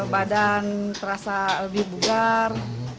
badan terasa lebih bugar